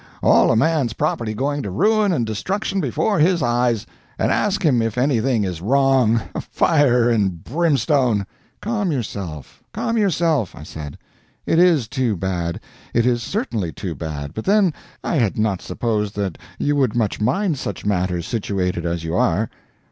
All a man's property going to ruin and destruction before his eyes, and ask him if anything is wrong? Fire and brimstone!" "Calm yourself, calm yourself," I said. "It is too bad it is certainly too bad, but then I had not supposed that you would much mind such matters, situated as you are."